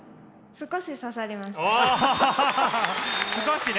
少し刺さりましたね。